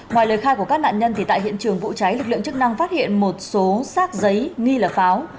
ngoài lời khai của các nạn nhân thì tại hiện trường vụ cháy lực lượng chức năng phát hiện một số xác giấy nghi là pháo